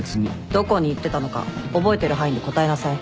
どこに行ってたのか覚えてる範囲で答えなさい。